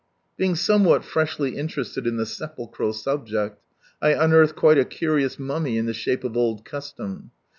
Being somewhat freshly interested in the sepulchral subject, I unearthed quite a curious mummy in the shape of old custom.